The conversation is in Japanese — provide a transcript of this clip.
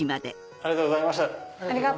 ありがとうございます。